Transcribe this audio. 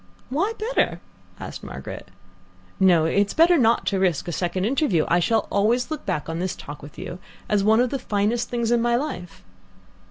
"Why better?" asked Margaret. "No, it is better not to risk a second interview. I shall always look back on this talk with you as one of the finest things in my life.